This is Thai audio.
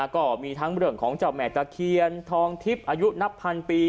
ก็มีทั้งเรื่องของเจ้าแม่ตะเคียนทองทิพย์อายุนับพันปี